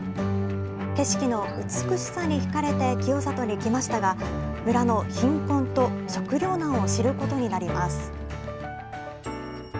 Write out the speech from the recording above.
景色の美しさにひかれて清里に来ましたが、村の貧困と食糧難を知ることになります。